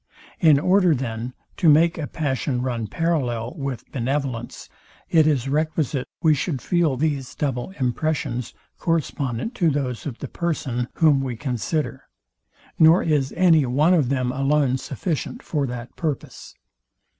In order, then, to make a passion run parallel with benevolence, it is requisite we should feel these double impressions, correspondent to those of the person, whom we consider; nor is any one of them alone sufficient for that purpose.